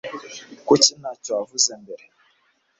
Kuki ntacyo wavuze mbere